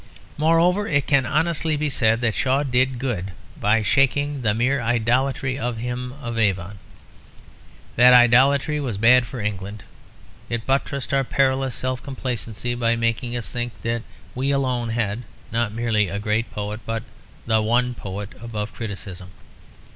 Moreover, it can honestly be said that Shaw did good by shaking the mere idolatry of Him of Avon. That idolatry was bad for England; it buttressed our perilous self complacency by making us think that we alone had, not merely a great poet, but the one poet above criticism.